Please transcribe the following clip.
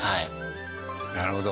なるほど。